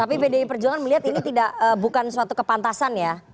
tapi pdi perjuangan melihat ini bukan suatu kepantasan ya